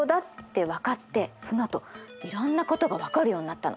そのあといろんなことが分かるようになったの。